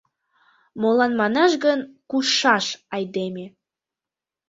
Молан манаш гын, кушшаш айдеме.